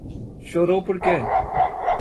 Chorou por quê?